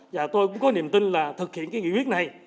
và tôi cũng có niềm tin là thực hiện cái nghị quyết này